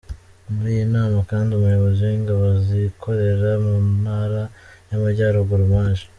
Muri iyi nama kandi umuyobozi w’ingabo zikorera mu Ntara y’Amajyaruguru Maj.